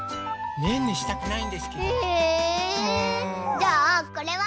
じゃあこれは？